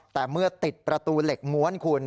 แต่เมื่อติดประตูเหล็กม้วนคุณ